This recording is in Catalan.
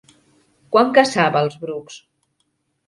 Quan caçava als brucs?